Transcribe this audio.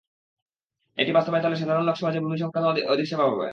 এটি বাস্তবায়িত হলে সাধারণ লোক সহজে ভূমি সংক্রান্ত অধিক সেবা পাবে।